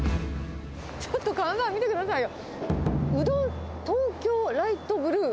ちょっと看板見てくださいよ。